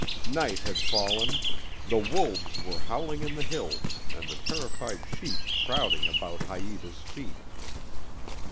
Night had fallen; the wolves were howling in the hills and the terrified sheep crowding about Haïta's feet.